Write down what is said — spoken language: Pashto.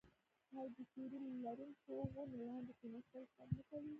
آیا د سیوري لرونکو ونو لاندې کیناستل خوند نه کوي؟